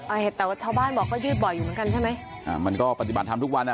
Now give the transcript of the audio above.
เห็นแต่ว่าชาวบ้านบอกก็ยืดบ่อยอยู่เหมือนกันใช่ไหมอ่ามันก็ปฏิบัติทำทุกวันอ่ะ